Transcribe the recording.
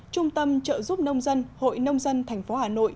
trung tâm trợ giúp nông dân hội nông dân tp hcm